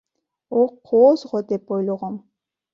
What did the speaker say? О, кооз го деп ойлогом.